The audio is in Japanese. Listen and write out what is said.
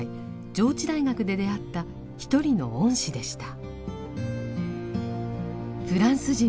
上智大学で出会った一人の恩師でした。